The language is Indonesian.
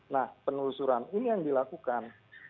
nah penelusuran ini yang dilakukan